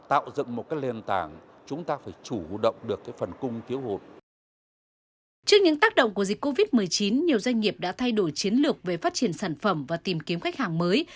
trước những tác động của dịch covid một mươi chín nhiều doanh nghiệp đã thay đổi chiến lược về phát triển sản phẩm và tìm kiếm khách hàng mới